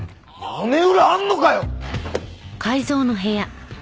屋根裏あんのかよ！